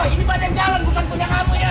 tidak usah ikut ikut